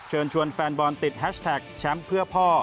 เชิญชวนแฟนบอลติดแฮชแท็กแชมป์เพื่อพ่อ